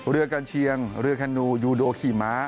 เรือการเชียงเหลือแคนนูยูโด่ขี่ม้า